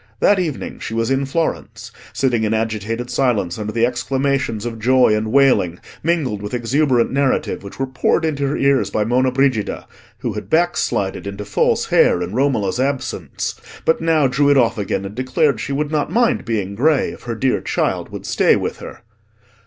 That evening she was in Florence, sitting in agitated silence under the exclamations of joy and wailing, mingled with exuberant narrative, which were poured into her ears by Monna Brigida, who had backslided into false hair in Romola's absence, but now drew it off again and declared she would not mind being grey, if her dear child would stay with her.